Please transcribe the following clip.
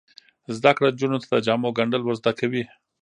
زده کړه نجونو ته د جامو ګنډل ور زده کوي.